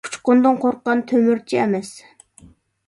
ئۇچقۇندىن قورققان تۆمۈرچى ئەمەس.